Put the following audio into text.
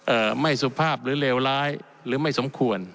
เอ่อไม่สุภาพหรือเลวร้ายหรือไม่สมควร